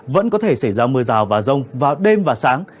vẫn có thể xảy ra mưa rào và rông vào đêm và sáng